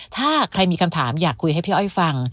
ถ้าใครมีคำถามอยากคุยให้พี่อ้อยฟัง